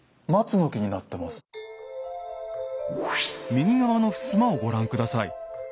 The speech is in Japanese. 右側のふすまをご覧下さい。